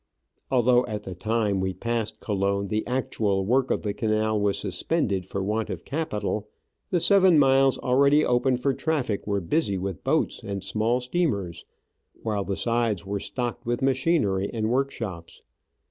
Although at the time we passed Colon the actual work of the canal was suspended for want of capital, the seven miles already open for traffic were busy with boats and small steamers, while the sides were stocked with machinery and workshops.